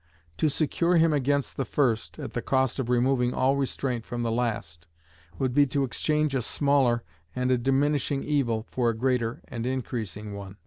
To secure him against the first, at the cost of removing all restraint from the last, would be to exchange a smaller and a diminishing evil for a greater and increasing one.